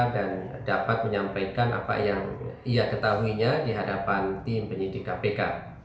dan dapat menyampaikan apa yang ia ketahuinya di hadapan tim penyidik kpk